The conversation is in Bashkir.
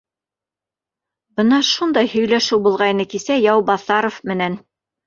Бына шундай һөйләшеү булғайны кисә Яубаҫаров менән